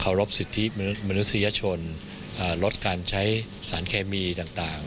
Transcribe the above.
เคารพสิทธิมนุษยชนอ่าลดการใช้สารแคมมีต่างต่าง